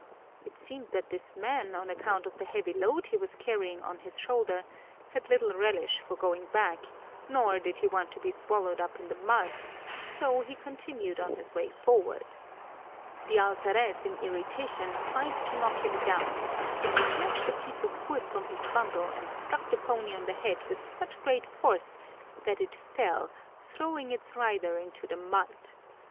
It seemed that this man, on account of the heavy load he was carrying on his shoulder, had little relish for going back nor did he want to be swallowed up in the mud, so he continued on his way forward. The alferez in irritation tried to knock him down, but he snatched a piece of wood from his bundle and struck the pony on the head with such great force that it fell, throwing its rider into the mud.